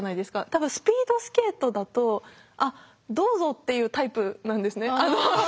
多分スピードスケートだと「あっどうぞ」っていうタイプなんですね。